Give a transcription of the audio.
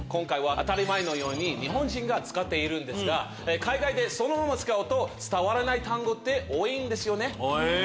当たり前のように日本人が使っているんですが海外でそのまま使うと伝わらない単語多いんですよね。